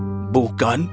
kau harus memperbaikinya